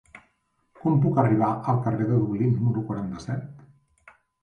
Com puc arribar al carrer de Dublín número quaranta-set?